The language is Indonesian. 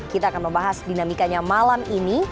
kita akan membahas dinamikanya malam ini